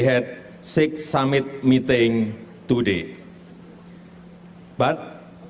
saya ingin mengucapkan selamat datang di tiga hari ini